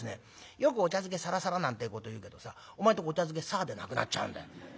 「よくお茶漬けサラサラなんてえこと言うけどさお前んとこお茶漬けサァでなくなっちゃうんだよ。